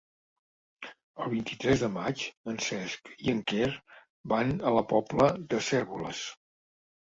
El vint-i-tres de maig en Cesc i en Quer van a la Pobla de Cérvoles.